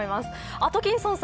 アトキンソンさん。